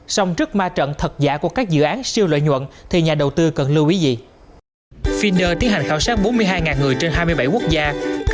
xong trước ma trận thật giả của các dự án siêu lợi nhuận thì nhà đầu tư cần lưu ý gì